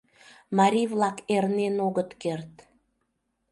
Марий-влак эрнен огыт керт.